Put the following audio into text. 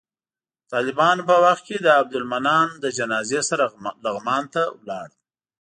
د طالبانو په وخت کې د عبدالمنان له جنازې سره لغمان ته ولاړم.